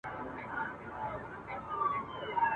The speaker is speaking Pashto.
پښتانه بې زړه نه ول.